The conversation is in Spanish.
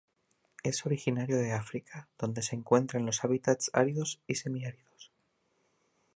Es originario de África donde se encuentra en los hábitats áridos y semiáridos.